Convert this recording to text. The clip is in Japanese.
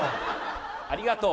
ありがとう。